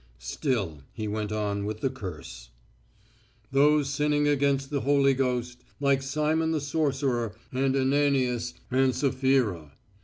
Still he went on with the curse: "Those sinning against the Holy Ghost, like Simon the sorcerer and Ananias and Sapphira.